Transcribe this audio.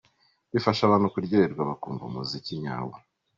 Bifasha abantu kuryoherwa bakumva umuziki nyawo.